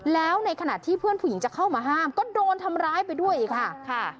แล้วในขณะที่เพื่อนผู้หญิงจะเข้ามาห้ามก็โดนทำร้ายไปด้วยอีกค่ะ